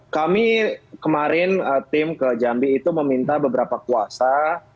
kami kemarin tim ke jambi itu meminta beberapa kuasa